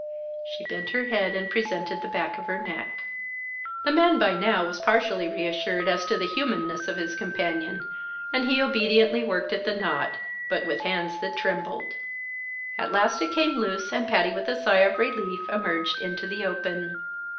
She bent her head and presented the back of her neck. The man by now was partially reassured as to the humanness of his companion, and he obediently worked at the knot but with hands that trembled. At last it came loose, and Patty with a sigh of relief emerged into the open.